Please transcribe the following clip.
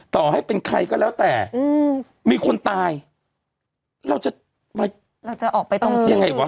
ต่อให้เป็นใครก็แล้วแต่อืมมีคนตายเราจะเราจะออกไปตรงที่ยังไงวะ